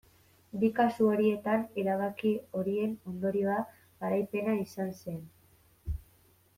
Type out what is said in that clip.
Bi kasu horietan erabaki horien ondorioa garaipena izan zen.